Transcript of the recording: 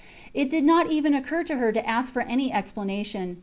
It did not even occur to her to ask for any explanation.